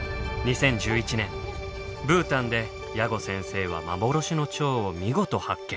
２０１１年ブータンで矢後先生は幻のチョウを見事発見！